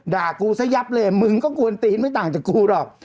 กูซะยับเลยมึงก็กวนตีนไม่ต่างจากกูหรอก